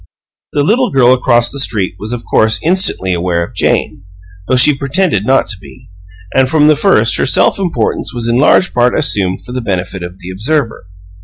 The little girl across the street was of course instantly aware of Jane, though she pretended not to be; and from the first her self importance was in large part assumed for the benefit of the observer.